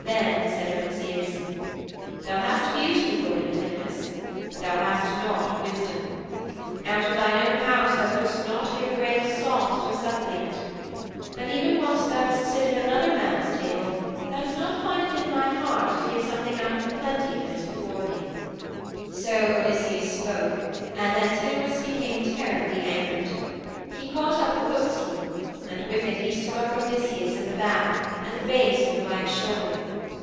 Then said Odysseus, 'Thou hast beauty, lord Antinous, but thou hast not wisdom. Out of thine own house thou wouldst not give a grain of salt to a suppliant. And even whilst thou dost sit at another man's table thou dost not find it in thy heart to give something out of the plenty that is before thee.' So Odysseus spoke and Antinous became terribly angered. He caught up a footstool, and with it he struck Odysseus in the back, at the base of the right shoulder.